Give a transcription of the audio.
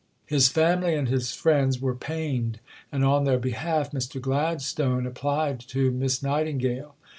His family and his friends were pained, and on their behalf Mr. Gladstone applied to Miss Nightingale.